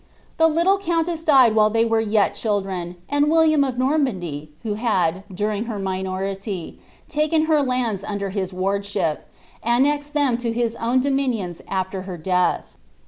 The little countess died while they were yet lUlren, and William of Normandy, who had, during hor minority, i' .;'it her lands under his wardship, annexed them to his own dominions I'lT her death.